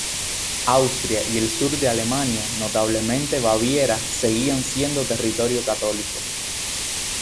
Austria y el sur de Alemania, notablemente Baviera, seguían siendo territorio católico.